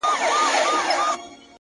شپه ده تياره ده خلک گورې مه ځه;